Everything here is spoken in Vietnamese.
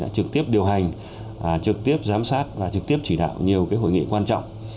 trực tiếp điều hành trực tiếp giám sát và trực tiếp chỉ đạo nhiều hội nghị quan trọng